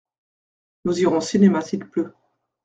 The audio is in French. Nous irons au cinéma s’il pleut.